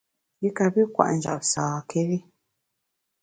I kapi kwet njap sâkéri.